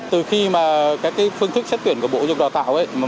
từ khi mà các phương thức xét tuyển của bộ dục đào tạo ấy